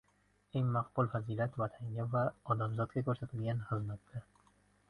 Eng maqbul fazilat — vatanga va odamzodga ko‘rsatilgan xizmatda.